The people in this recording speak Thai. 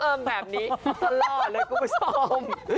เอิ่มแบบนี้สลอดเลยคุณผู้ชม